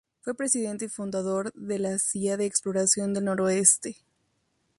Fue presidente y fundador dee la Cía de Exploración del Noroeste Ld.